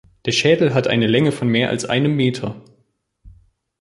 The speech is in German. Der Schädel hat eine Länge von mehr als einem Meter.